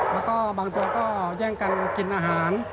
แล้วก็บางตัวก็แย่งกันกินอาหาร